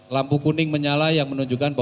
lampu kuning menyala yang menunjukkan